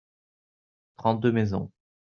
trente deux maisons.